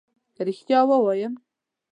که ريښتيا ووايم